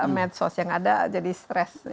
medsos yang ada jadi stres